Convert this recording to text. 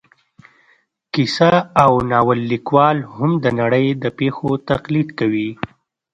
کیسه او ناول لیکوال هم د نړۍ د پېښو تقلید کوي